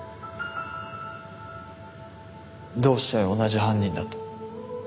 どうして同じ犯人だと？